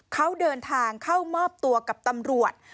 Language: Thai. เขาเดินทางเข้ามอบตัวกับตำรวจ